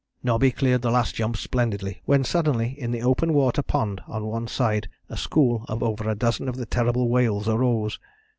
"Nobby cleared the last jump splendidly, when suddenly in the open water pond on one side a school of over a dozen of the terrible whales arose.